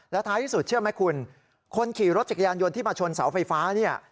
ท้ายที่สุดเชื่อไหมคุณคนขี่รถจักรยานยนต์ที่มาชนเสาไฟฟ้าเนี่ย